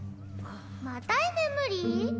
また居眠り？